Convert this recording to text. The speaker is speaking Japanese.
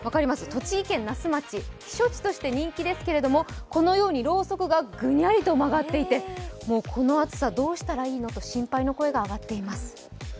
栃木県那須町、避暑地として人気ですけどもこのようにろうそくがぐにゃりと曲がっていてこの暑さ、どうしたらいいの？と心配の声が上がっています。